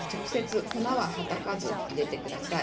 粉は、はたかないで入れてください。